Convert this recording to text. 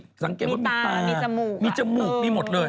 ขาสั่นเขาบอกแค่นั้นแหละขาหมดแล้ว